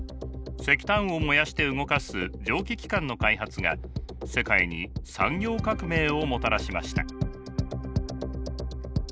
石炭を燃やして動かす蒸気機関の開発が世界に産業革命をもたらしました。